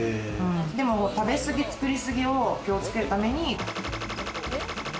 でも食べすぎ作りすぎを気をつけるために○○。